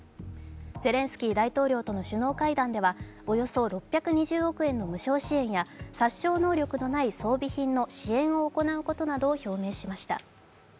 ゼレンスキー大統領との首脳会談ではおよそ６２０億円の無償支援や、殺傷能力のない装備品の支援を行うことなどを表明しました。